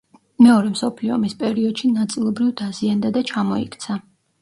მეორე მსოფლიო ომის პერიოდში ნაწილობრივ დაზიანდა და ჩამოიქცა.